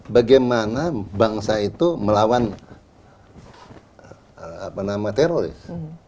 bagaimana bangsa itu melawan teroris